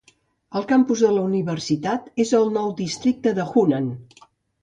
El campus de la universitat és al nou districte de Hunnan.